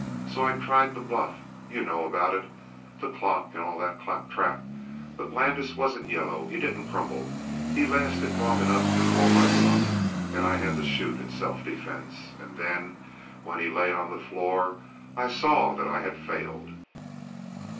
So I tried the bluff. You know about it. The clock, and all that claptrap. But Landis wasn't yellow. He didn't crumble. He lasted long enough to call my bluff, and I had to shoot in self defense. And then, when he lay on the floor, I saw that I had failed."